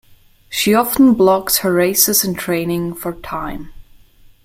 She often blogs her races and training for Time.